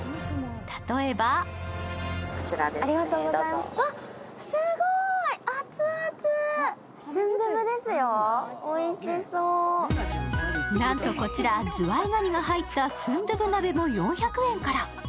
例えばなんとこちらズワイガニが入ったスンドゥブ鍋も４００円から。